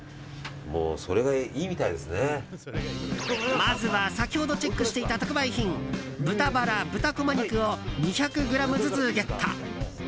まずは先ほどチェックしていた特売品豚バラ、豚こま肉を２００ｇずつゲット。